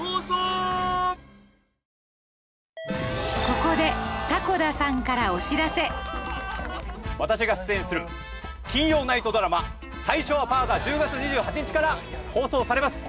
ここで私が出演する金曜ナイトドラマ『最初はパー』が１０月２８日から放送されます。